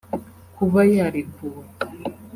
Kuba yarekuwe